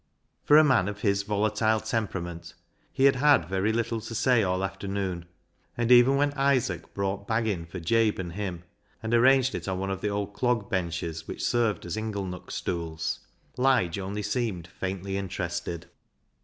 For a man of his volatile temperament he had had very little to say all afternoon, and even when Isaac brought "baggin"' for Jabe and him, and arranged it on one of the old clog benches which served as inglenook stools, Lige only seemed faintly interested.